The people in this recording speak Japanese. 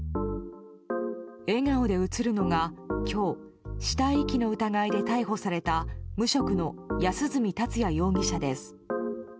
笑顔で写るのが、今日死体遺棄の疑いで逮捕された無職の安栖達也容疑者です。